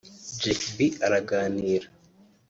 Jack B araganira